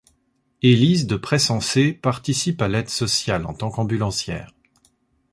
Élise de Pressensé participe à l'aide sociale, en tant qu'ambulancière.